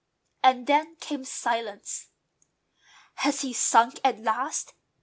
And then came silence. "Has he sunk at last?"